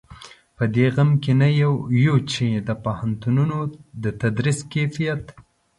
په دې غم کې نه یو چې د پوهنتونونو د تدریس کیفیت.